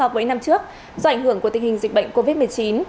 với năm trước do ảnh hưởng của tình hình dịch bệnh covid một mươi chín